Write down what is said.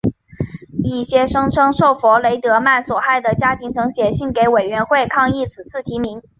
一些声称受弗雷德曼所害的家庭曾写信给委员会抗议此次提名。